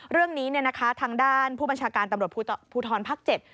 เรื่องนี้เนี่ยนะคะทางด้านผู้บัญชาการตำรวจภูทรภาค๗